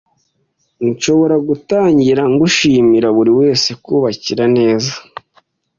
Nshobora gutangira gushimira buriwese kubakira neza?